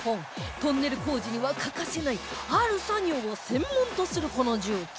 トンネル工事には欠かせないある作業を専門とするこの重機